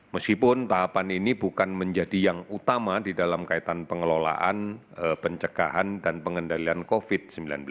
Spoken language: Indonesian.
meskipun tahapan ini bukan menjadi yang utama di dalam kaitan pengelolaan pencegahan dan pengendalian covid sembilan belas